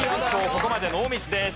ここまでノーミスです。